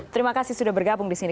terima kasih sudah bergabung di sini